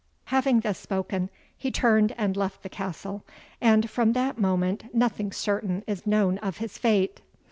Having thus spoken, he turned and left the castle, and from that moment nothing certain is known of his fate.